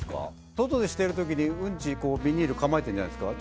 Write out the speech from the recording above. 外でしてる時にうんちビニール構えてるじゃないですか。